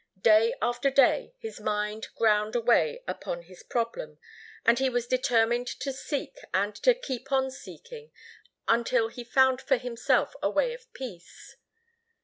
Day after day his mind ground away upon his problem and he was determined to seek and to keep on seeking until he found for himself a way of peace.